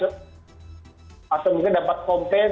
atau mungkin dapat konten